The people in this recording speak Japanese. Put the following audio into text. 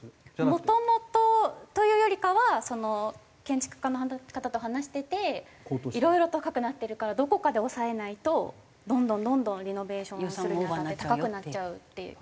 もともとというよりかは建築家の方と話してていろいろ高くなってるからどこかで抑えないとどんどんどんどんリノベーションするにあたって高くなっちゃうっていう。